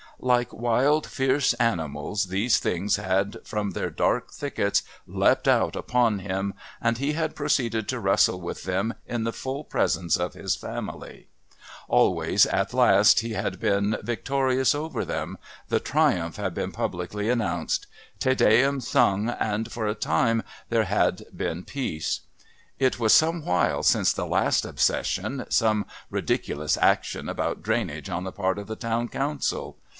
Like wild fierce animals these things had from their dark thickets leapt out upon him, and he had proceeded to wrestle with them in the full presence of his family. Always, at last, he had been, victorious over them, the triumph had been publicly announced, "Te Deums" sung, and for a time there had been peace. It was some while since the last obsession, some ridiculous action about drainage on the part of the Town Council.